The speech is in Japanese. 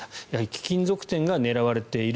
貴金属店が狙われている。